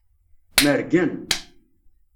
Mergen.